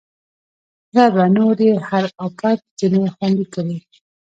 ربه! نور یې هر اپت ځنې خوندي کړې